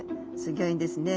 ギョいんですね。